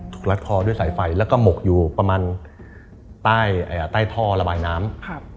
รัดคอด้วยสายไฟแล้วก็หมกอยู่ประมาณใต้ท่อระบายน้ำ